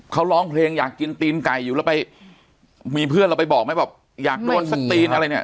เขาร้องเพลงอยากกินตีนไก่อยู่แล้วไปมีเพื่อนเราไปบอกไหมแบบอยากโดนสักตีนอะไรเนี่ย